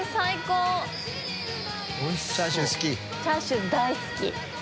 チャーシュー大好き！